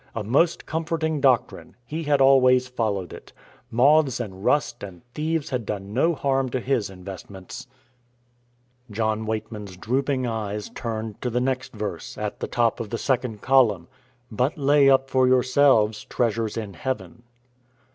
A most comforting doctrine! He had always followed it. Moths and rust and thieves had done no harm to his investments. John Weightman's drooping eyes turned to the next verse, at the top of the second column. "But lay up for yourselves treasures in heaven."